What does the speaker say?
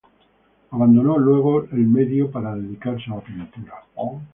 Abandonó luego el medio para dedicarse a la pintura.